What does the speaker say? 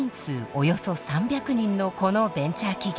およそ３００人のこのベンチャー企業。